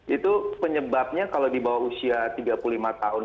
itu penyebabnya kalau di bawah usia tiga puluh lima tahun